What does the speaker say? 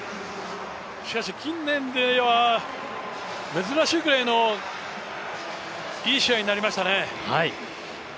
しかし、近年では珍しいぐらいのいい試合になりましたね。